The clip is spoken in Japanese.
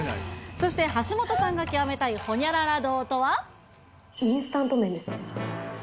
そして橋本さんが究めたいほインスタント麺ですね。